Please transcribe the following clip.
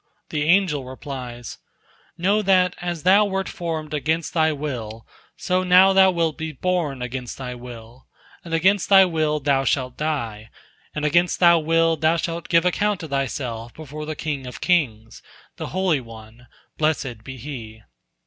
The angel replies: "Know that as thou wert formed against thy will, so now thou wilt be born against thy will, and against thy will thou shalt die, and against thy will thou shalt give account of thyself before the King of kings, the Holy One, blessed be He."